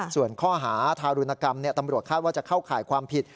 ส่วนข้อหาทารุณกรรมตำรวจคาดว่าจะเข้าข่ายความผิด